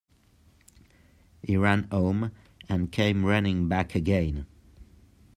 He ran home and came running back again.